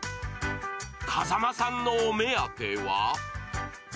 風間さんのお目当ては？